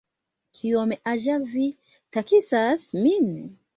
Kiom aĝa vi taksas min?